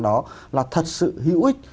đó là thật sự hữu ích